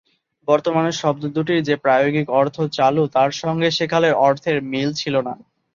বর্তমানে শব্দ দুটির যে প্রায়োগিক অর্থ চালু তার সঙ্গে সেকালের অর্থের মিল ছিল না।